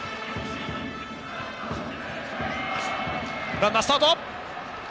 ランナー、スタート！